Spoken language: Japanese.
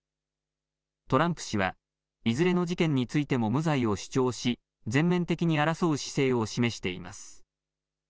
トランプ氏は、いずれの事件についても無罪を主張し、全面的に争う姿勢を示しています。